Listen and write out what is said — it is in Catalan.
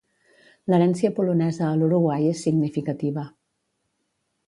L'herència polonesa a l'Uruguai és significativa.